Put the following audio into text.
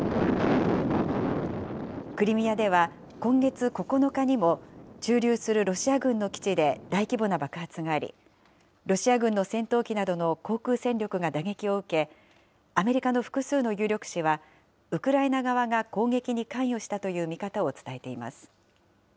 クリミアでは今月９日にも、駐留するロシア軍の基地で大規模な爆発があり、ロシア軍の戦闘機などの航空戦力が打撃を受け、アメリカの複数の有力紙は、ウクライナ側が攻撃に関与したという見方を伝えています。